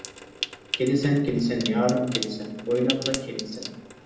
كېلىسەن، كېلىسەن، يارىم كېلىسەن ئويناپلا كېلىسەن.